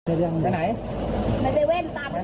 เอาไปที่รถเอาไปเลย